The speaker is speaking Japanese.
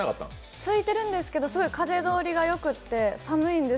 ついてるんですけど、すごい風どおりがよくて寒いんです。